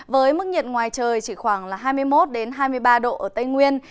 với mức nhiệt ngoài trời chỉ khoảng là hai mươi một hai mươi ba độ ở tây nguyên